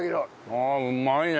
ああうまいね。